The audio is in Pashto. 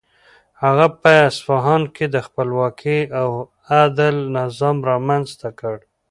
هغه په اصفهان کې د خپلواکۍ او عدل نظام رامنځته کړ.